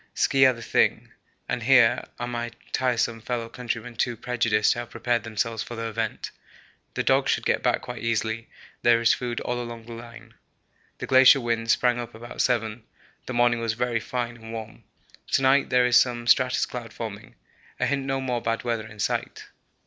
Ski are the thing, and here are my tiresome fellow countrymen too prejudiced to have prepared themselves for the event. The dogs should get back quite easily; there is food all along the line. The glacier wind sprang up about 7; the morning was very fine and warm. To night there is some stratus cloud forming a hint no more bad weather in sight.